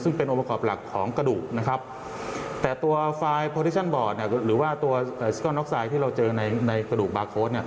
ซึ่งเป็นองค์ประกอบหลักของกระดูก